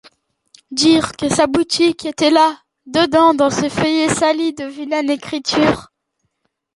Dire que sa boutique était là dedans, dans ces feuillets salis de vilaines écritures !